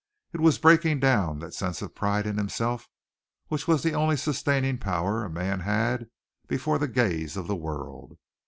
It was breaking down that sense of pride in himself which was the only sustaining power a man had before the gaze of the world.